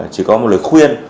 chỉ có một lời khuyên